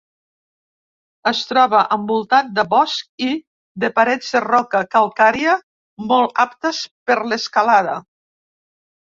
Es troba envoltat de bosc i de parets de roca calcària molt aptes per l'escalada.